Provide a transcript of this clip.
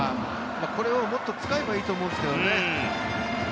これをもっと使えばいいと思うんですけどね。